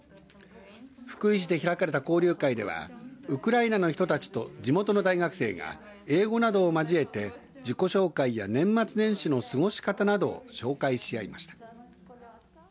福井市で開かれた交流会ではウクライナの人たちと地元の大学生が英語などを交えて自己紹介や年末年始の過ごし方などを紹介し合いました。